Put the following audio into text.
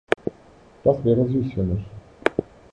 Das wäre süß für mich.